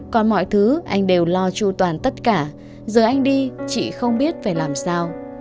còn mọi thứ anh đều lo chu toàn tất cả giờ anh đi chị không biết phải làm sao